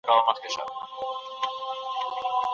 غریب خلک ډېر وخت له پامه غورځول کېږي.